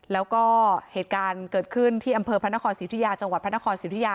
แล้วก็เหตุการณ์เกิดขึ้นที่อำเภอพระนครศรีธุยาจังหวัดพระนครสิทธิยา